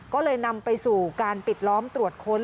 ก็เลยนำไปสู่การปิดล้อมตรวจค้น